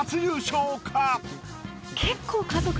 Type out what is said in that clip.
結構。